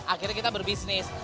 akhirnya kita berbisnis